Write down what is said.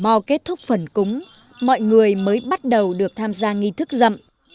sau khi bà mo kết thúc phần cúng mọi người mới bắt đầu được tham gia nghi thức rậm